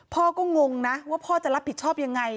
พ่อก็งงนะว่าพ่อจะรับผิดชอบยังไง